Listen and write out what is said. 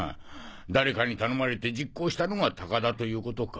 誰かに頼まれて実行したのが高田ということか。